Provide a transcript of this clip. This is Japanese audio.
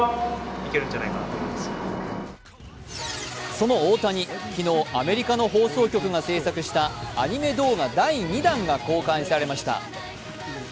その大谷、昨日、アメリカの放送局が製作したアニメ動画第２弾が公開されました。